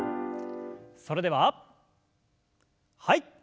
それでははい。